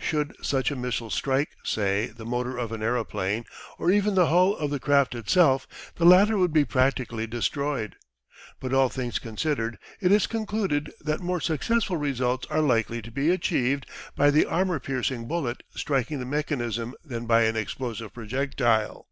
Should such a missile strike, say, the motor of an aeroplane, or even the hull of the craft itself, the latter would be practically destroyed. But all things considered, it is concluded that more successful results are likely to be achieved by the armour piercing bullet striking the mechanism than by an explosive projectile.